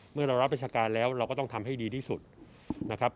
เมื่อเรารับราชการแล้วเราก็ต้องทำให้ดีที่สุดนะครับ